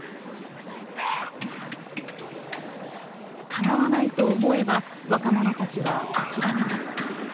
かなわないと思えば若者たちは諦めます。